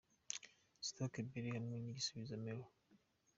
Stecy Belly hamwe na Igihozo Miley.